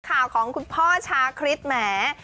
ของคุณพ่อชาคริสแหม